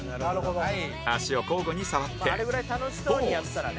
足を交互に触ってポーズ